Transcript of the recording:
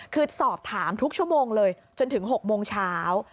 คือสอบถามทุกชั่วโมงเลยจนถึง๖โมงเช้า